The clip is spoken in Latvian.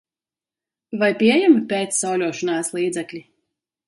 Vai pieejami pēc sauļošanās līdzekļi?